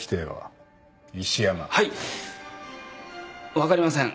分かりません。